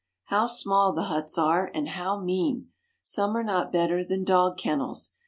How small the huts are, and how mean ! Some are not better than dog kennels.